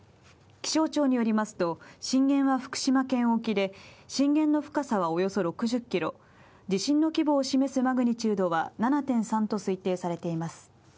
気象庁によりますと、震源は福島県沖で、震源の深さはおよそ６０キロ、地震の規模を示すマグニチュードは７．３と推定されています